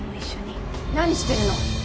何してるの！？